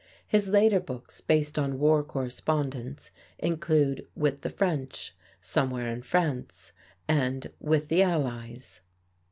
His later books, based on war correspondence, include "With the French," "Somewhere in France," and "With the Allies."